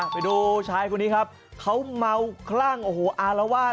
ไปดูชายคนนี้ครับเขาเมาคลั่งอาลาว่า